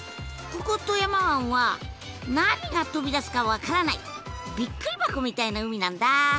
ここ富山湾は何が飛び出すか分からないびっくり箱みたいな海なんだ！